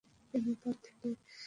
তিনি পদ থেকে ইস্তফা দেন।